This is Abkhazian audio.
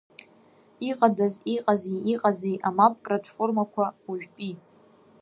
Иҟадаз, иҟази, иҟазеи амапкратә формақәа уажәтәи…